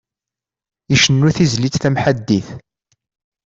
Icennu tizlit tamḥaddit.